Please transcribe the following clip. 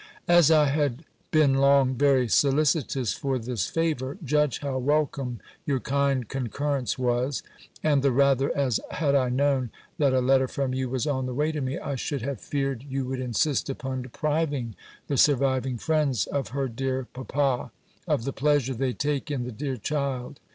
"As I had been long very solicitous for this favour, judge how welcome your kind concurrence was: and the rather, as, had I known, that a letter from you was on the way to me, I should have feared you would insist upon depriving the surviving friends of her dear papa, of the pleasure they take in the dear child.